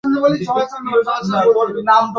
তিনি মে মাসে জন্মগ্রহণ করেন।